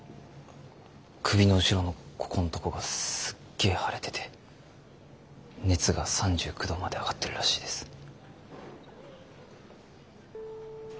首の後ろのここんとこがすっげえ腫れてて熱が３９度まで上がってるらしいです。